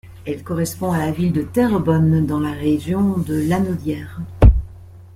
Elle correspond à la ville de Terrebonne dans la région de Lanaudière.